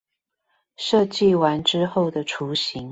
設計完之後的雛形